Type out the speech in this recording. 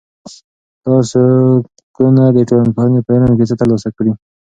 تاسو کونه د ټولنپوهنې په علم کې څه تر لاسه کړي؟